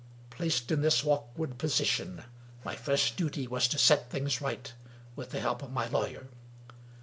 Placed in this awkward position, my first duty was to set things right, with the help of my lawyer.